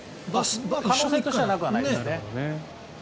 可能性としてはなくはないですね。